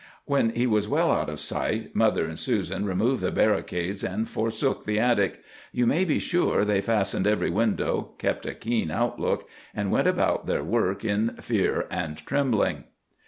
"When he was well out of sight, mother and Susan removed the barricades and forsook the attic. You may be sure they fastened every window, kept a keen outlook, and went about their work in fear and trembling.